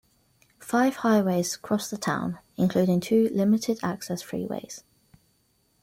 Five highways cross the town, including two limited-access freeways.